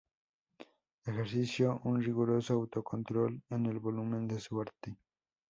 Ejerció un riguroso autocontrol en el volumen de su arte.